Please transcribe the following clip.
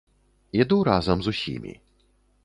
Іду разам з усімі.